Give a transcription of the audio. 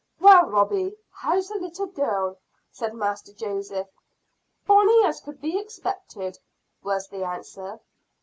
"Well, Robie, how's the little girl?" said Master Joseph. "Bonnie as could be expected," was the answer.